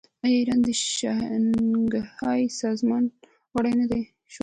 آیا ایران د شانګهای سازمان غړی نه شو؟